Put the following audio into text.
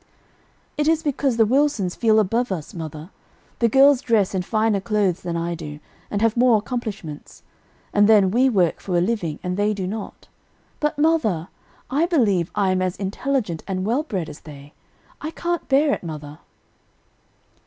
"It is because the Wilsons feel above us, mother. The girls dress in finer clothes than I do, and have more accomplishments; and then we work for a living, and they do not. But, mother, I believe I am as intelligent and well bred as they. I can't bear it, mother."